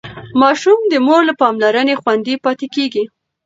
ماشوم د مور له پاملرنې خوندي پاتې کېږي.